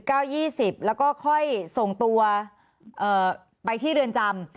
อ่า๑๙๒๐แล้วก็ค่อยส่งตัวไปที่เรือนจำ